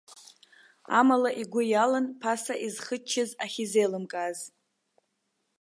Амала, игәы иалан, ԥаса изхыччаз ахьизеилымкааз.